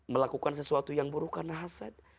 melakukan sesuatu yang buruk karena hasad